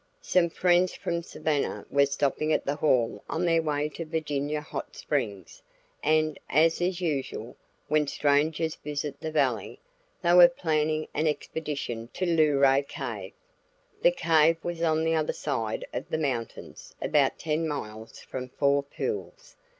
Some friends from Savannah were stopping at the Hall on their way to the Virginia hot springs, and, as is usual, when strangers visit the valley, they were planning an expedition to Luray Cave. The cave was on the other side of the mountains about ten miles from Four Pools.